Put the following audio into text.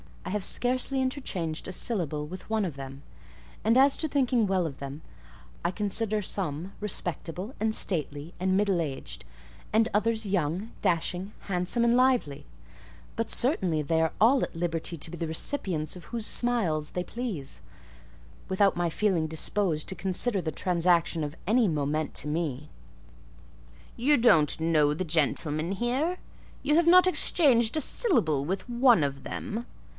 I have scarcely interchanged a syllable with one of them; and as to thinking well of them, I consider some respectable, and stately, and middle aged, and others young, dashing, handsome, and lively: but certainly they are all at liberty to be the recipients of whose smiles they please, without my feeling disposed to consider the transaction of any moment to me." "You don't know the gentlemen here? You have not exchanged a syllable with one of them?